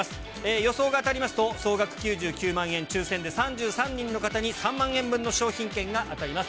予想が当たりますと、総額９９万円、抽せんで３３人の方に３万円分の商品券が当たります。